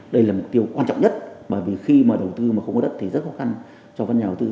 đây là mục tiêu quan trọng nhất bởi vì khi mà đầu tư mà không có đất thì rất khó khăn cho các nhà đầu tư